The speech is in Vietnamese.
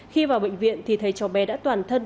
khi vào bệnh viện thì thấy cháu bé đã toàn thân